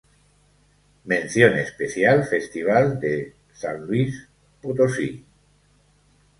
Mención especial Festival de San Luis Potosí.